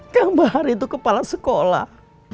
kang bahar itu kepala sekolah